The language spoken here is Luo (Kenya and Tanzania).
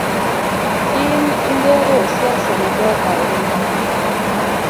In ingeyo siasa maber hainya.